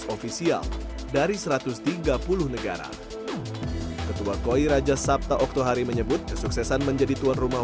ofisial dari satu ratus tiga puluh negara ketua koi raja sabta oktohari menyebut kesuksesan menjadi tuan rumah